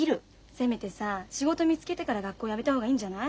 せめてさ仕事見つけてから学校やめた方がいいんじゃない？